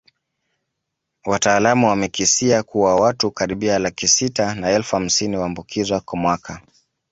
Wataalamu wamekisia kuwa watu karibia laki sita na elfu hamsini huambukizwa kwa mwaka